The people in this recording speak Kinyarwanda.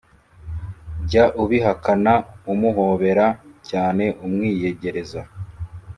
jya ubihakana umuhobera cyane umwiyegereza,